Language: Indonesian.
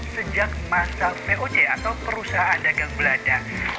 sejak masa voc atau perusahaan dagang belanda